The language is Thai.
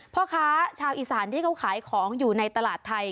พ่อค้าชาวอีสานที่เขาขายของอยู่ในตลาดไทย